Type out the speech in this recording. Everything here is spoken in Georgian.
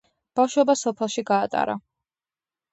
ბავშვობა სოფელში გაატარა.